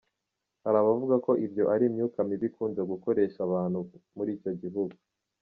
Hari abavuga ko ibyo ari imyuka mibi ikunze gukoresha abantu muri icyo gihugu.